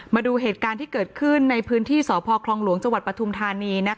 มาดูเหตุการณ์ที่เกิดขึ้นในพื้นที่สพคลองหลวงจังหวัดปฐุมธานี